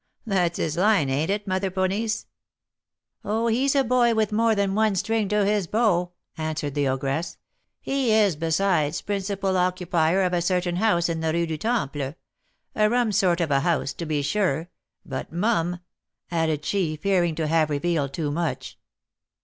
That's his line, ain't it, Mother Ponisse?" "Oh! he's a boy with more than one string to his bow," answered the ogress. "He is, besides, principal occupier of a certain house in the Rue du Temple, a rum sort of a house, to be sure; but mum," added she, fearing to have revealed too much.